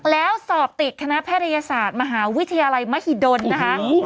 แล้วสอบติดคณะแพทยศาสตร์มหาวิทยาลัยมหิดลนะคะ